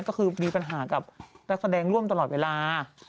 ก็คือมีปัญหากับนักแสดงร่วมตลอดเวลา